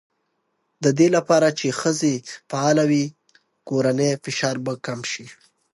د دې لپاره چې ښځې فعاله وي، کورنی فشار به کم شي.